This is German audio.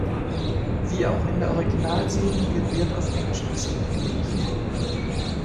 Wie auch in der Originalserie wird Wert auf Actionszenen gelegt.